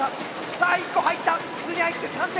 さあ１個入った筒に入って３点。